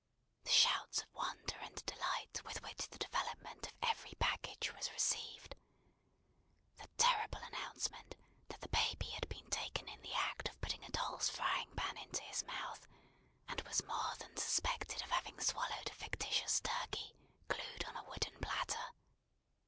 The shouts of wonder and delight with which the development of every package was received! The terrible announcement that the baby had been taken in the act of putting a doll's frying pan into his mouth, and was more than suspected of having swallowed a fictitious turkey, glued on a wooden platter!